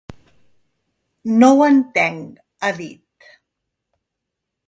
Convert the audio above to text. No ho entenc, ha dit.